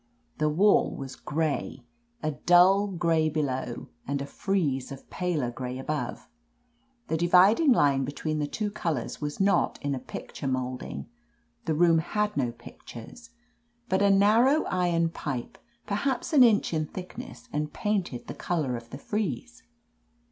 The wall was gray, a dull gray below, and a frieze of paler gray above. The dividing line between the two colors was not a picture molding — ^the room had no pictures — ^but a narrow iron pipe, perhaps an inch in thickness, and painted the color of the frieze.